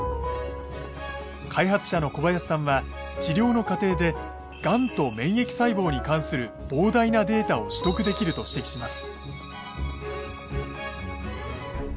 開発者の小林さんは治療の過程でがんと免疫細胞に関する膨大なデータを取得できると指摘します。